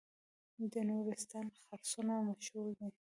د نورستان خرسونه مشهور دي